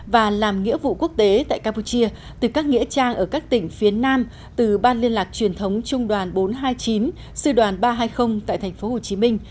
và làm nghĩa vụ quốc tế tại campuchia từ các nghĩa trang ở các tỉnh phía nam từ ban liên lạc truyền thống trung đoàn bốn trăm hai mươi chín sư đoàn ba trăm hai mươi tại tp hcm